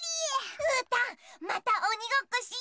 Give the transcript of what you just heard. うーたんまたおにごっこしよ！